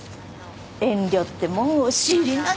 遠慮ってもんを知りなさいよ。